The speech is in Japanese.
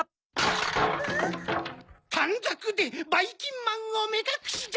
たんざくでばいきんまんをめかくしじゃ！